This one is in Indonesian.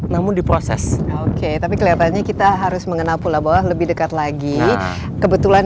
namun diproses oke tapi kelihatannya kita harus mengenal pula bahwa lebih dekat lagi kebetulan